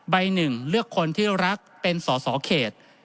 หนึ่งเลือกคนที่รักเป็นสอสอเขต